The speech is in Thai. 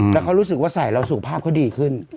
แล้วเขารู้สึกว่าใส่เราสุขภาพเขาดีขึ้น